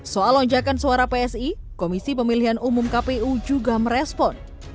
soal lonjakan suara psi komisi pemilihan umum kpu juga merespon